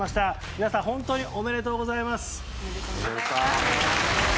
皆さん本当におめでとうございます。